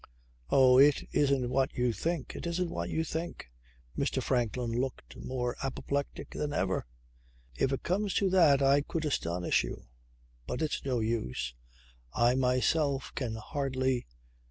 "Oh, it isn't what you think. It isn't what you think." Mr. Franklin looked more apoplectic than ever. "If it comes to that I could astonish you. But it's no use. I myself can hardly